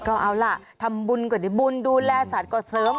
ก็เอาล่ะทำบุญก็ได้บุญดูแลสัตว์ก็เสริม